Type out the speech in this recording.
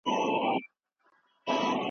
وړین ټوکران به شاه شجاع ته لیږل کیږي.